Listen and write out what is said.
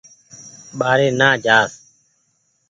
ٻآري نآ جآس